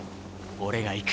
俺が行く。